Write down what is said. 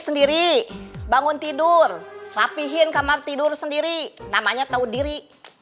sendiri bangun tidur rapihin kamar tidur sendiri namanya tahu diri